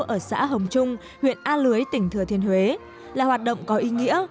ở xã hồng trung huyện a lưới tỉnh thừa thiên huế là hoạt động có ý nghĩa